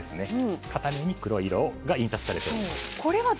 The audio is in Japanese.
片面に黒色が印刷されています。